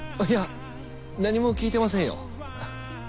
いや何も聞いてませんよ。